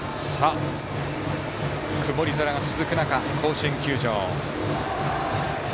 曇り空が続く中、甲子園球場。